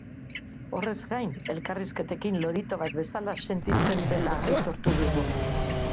Horrez gain, elkarrizketekin lorito bat bezala sentitzen dela aitortu digu.